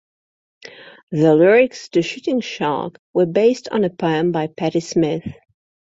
The lyrics to "Shooting Shark" were based on a poem by Patti Smith.